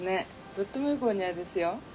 とってもよくお似合いですよ。